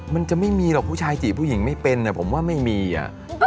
มันจะไม่มีหรอกผู้ชายจีบผู้หญิงไม่เป็นผมว่าไม่มีอ่ะ